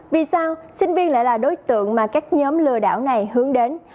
vì sao sinh viên lại là đối tượng mà các nhóm lừa đảo này hướng đến